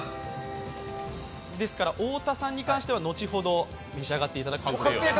太田さんに関しては後ほど召し上がっていただく。